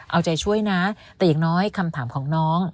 เอาใจช่วยนะแต่อย่างน้อยคำถามของน้อง